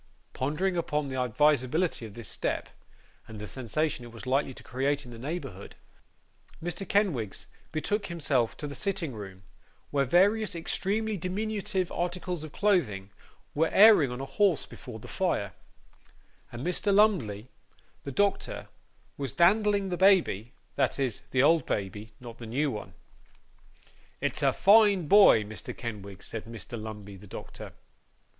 Pondering upon the advisability of this step, and the sensation it was likely to create in the neighbourhood, Mr. Kenwigs betook himself to the sitting room, where various extremely diminutive articles of clothing were airing on a horse before the fire, and Mr. Lumbey, the doctor, was dandling the baby that is, the old baby not the new one. 'It's a fine boy, Mr. Kenwigs,' said Mr. Lumbey, the doctor.